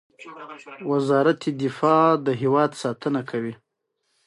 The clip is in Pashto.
د بیضو د درد لپاره د یخ کڅوړه وکاروئ